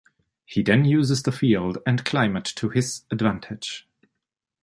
He then uses the field and climate to his advantage.